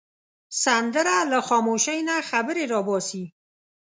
سندره له خاموشۍ نه خبرې را باسي